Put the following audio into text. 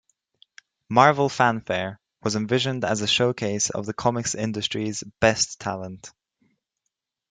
"Marvel Fanfare" was envisioned as a showcase of the comics industry's best talent.